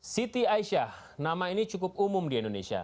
siti aisyah nama ini cukup umum di indonesia